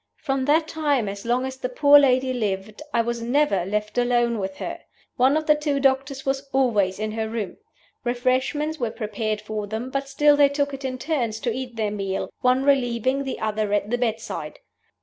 From that time as long as the poor lady lived I was never left alone with her. One of the two doctors was always in her room. Refreshments were prepared for them; but still they took it in turns to eat their meal, one relieving the other at the bedside.